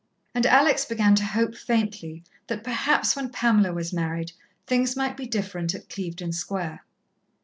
And Alex began to hope faintly that perhaps when Pamela was married, things might be different at Clevedon Square.